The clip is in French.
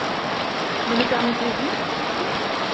Me le permettez-vous?